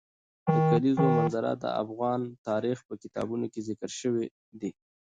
د کلیزو منظره د افغان تاریخ په کتابونو کې ذکر شوی دي.